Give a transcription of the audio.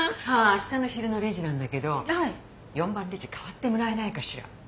明日の昼のレジなんだけど４番レジ代わってもらえないかしら。